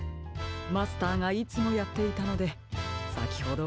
マスターがいつもやっていたのでさきほどおいておきました。